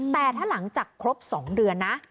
แต่ถ้าหลังจากครบ๒เดือนนะ